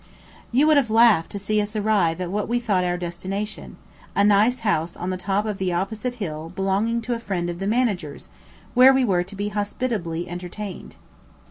You would have laughed to see us arrive at what we thought our destination a nice house on the top of the opposite hill belonging to a friend of the Manager's, where we were to be hospitably entertained.